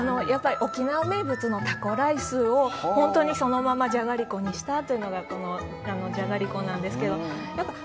沖縄名物のタコライスを本当にそのままじゃがりこにしたというのがこのじゃがりこなんですけど。